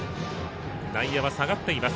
内野は下がっています。